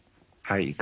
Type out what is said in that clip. はい。